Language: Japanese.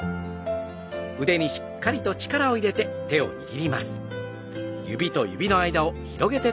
腕にしっかりと力を入れながら握ります。